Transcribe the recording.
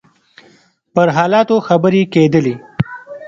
پر حالاتو خبرې کېدلې.